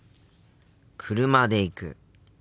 車で行く。